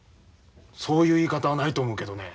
そういう言い方はないと思うけどね。